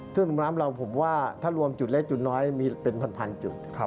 เครื่องสูบน้ำเราผมว่าถ้ารวมจุดเล็กจุดน้อยเป็น๑๐๐๐จุด